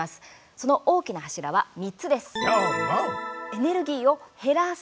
その大きな柱は、３つです。